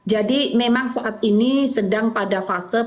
jadi memang saat ini sedang pada fase ya